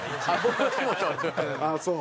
ああそう。